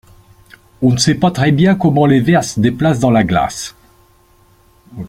On ne sait pas très bien comment les vers se déplacent dans la glace.